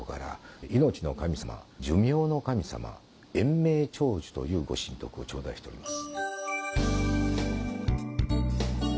莚命長寿という御神徳をちょうだいしております。